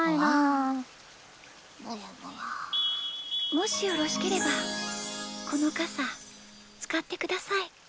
・もしよろしければこのかさつかってください。